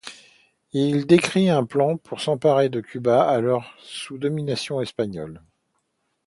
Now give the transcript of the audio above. Il décrit un plan pour s'emparer de Cuba, alors sous domination espagnole.